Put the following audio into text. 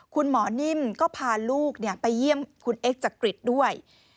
คุณหมอนิ่มก็พาลูกไปเยี่ยมคุณเอ็กจักริตด้วย